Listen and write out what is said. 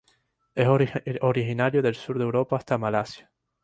Es originario del sur de Europa hasta Malasia.